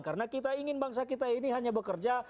karena kita ingin bangsa kita ini hanya bekerja